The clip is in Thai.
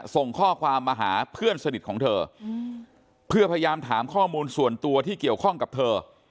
ส่งข้อความมาหาเพื่อนสนิทของเธอเพื่อพยายามถามข้อมูลส่วนตัวที่เกี่ยวข้องกับเธอ